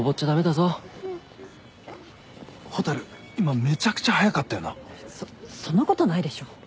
そっそんなことないでしょ。